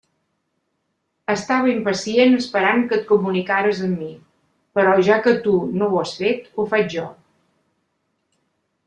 Estava impacient esperant que et comunicares amb mi, però ja que tu no ho has fet, ho faig jo.